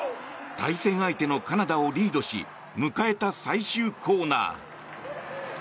対戦相手のカナダをリードし迎えた最終コーナー。